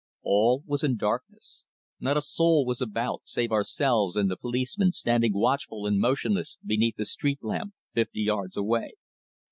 All was in darkness. Not a soul was about save ourselves and the policeman standing watchful and motionless beneath the street lamp fifty yards away.